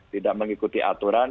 tidak mengikuti aturan